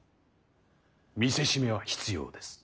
見せしめは必要です。